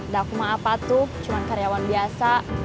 daku mah apa tuh cuma karyawan biasa